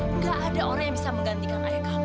amirah gak ada orang yang bisa menggantikan ayah kamu